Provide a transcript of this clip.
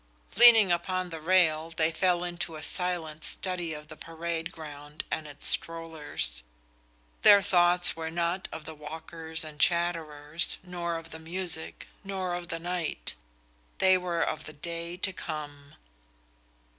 Leaning upon the railing, they fell into a silent study of the parade ground and its strollers. Their thoughts were not of the walkers and chatterers, nor of the music, nor of the night. They were of the day to come.